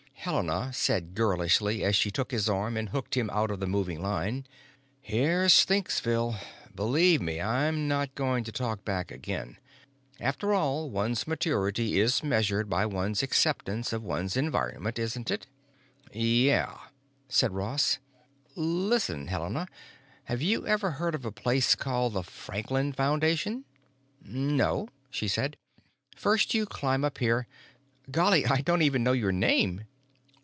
Helena said girlishly as she took his arm and hooked him out of the moving line: "Here's Stinkville. Believe me, I'm not going to talk back again. After all, one's maturity is measured by one's acceptance of one's environment, isn't it?" "Yeah," said Ross. "Listen, Helena, have you ever heard of a place called the Franklin Foundation?" "No," she said. "First you climb up here—golly! I don't even know your name."